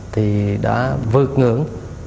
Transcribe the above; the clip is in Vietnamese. thì đã vượt ngưỡng